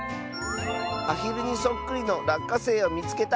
「アヒルにそっくりのらっかせいをみつけた！」。